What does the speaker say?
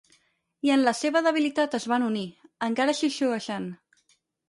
I en la seva debilitat es van unir, encara xiuxiuejant.